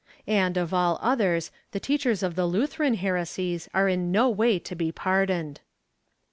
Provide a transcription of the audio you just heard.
And, of all others, the teachers of the Lutheran heresies are in no way to be pardoned.